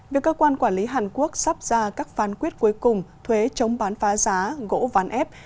việc cơ quan quản lý hàn quốc sắp ra các phán quyết cuối cùng thuế chống bán phá giá gỗ ván ép